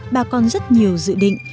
bà còn rất nhiều dự định